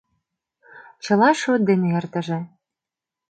— Чыла шот дене эртыже.